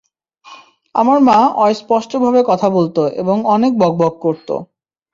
আমার মা অস্পষ্টভাবে কথা বলতো এবং অনেক বকবক করতো।